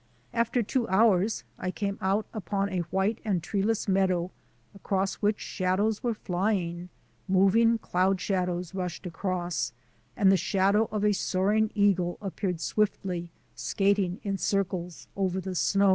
After two hours I came out upon a white and treeless meadow, across which shadows were flying — moving cloud shadows rushed across, and the shadow of a soaring eagle appeared swiftly skating in circles over the snow.